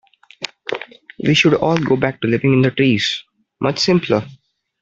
We should all go back to living in the trees, much simpler.